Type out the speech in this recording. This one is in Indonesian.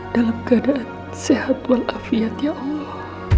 dalam keadaan sehat walafiat ya allah